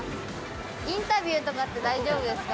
インタビューとか大丈夫ですか？